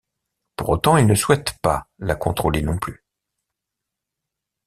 Pour autant il ne souhaite pas la contrôler non plus.